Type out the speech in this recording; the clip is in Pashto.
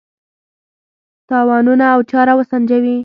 تاوانونه او چاره وسنجوي.